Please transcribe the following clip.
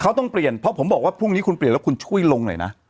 เขาต้องเปลี่ยนเพราะผมบอกว่าพรุ่งนี้คุณเปลี่ยนแล้วคุณช่วยลงหน่อยนะ